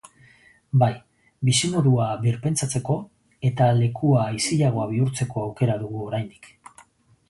Bai, bizimodua birpentsatzeko eta lekua isilagoa bihurtzeko aukera dugu oraindik...